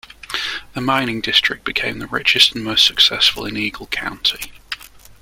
The mining district became the richest and most successful in Eagle County.